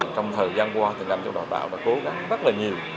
trong thời gian qua tỉnh đà nẵng trong đào tạo đã cố gắng rất là nhiều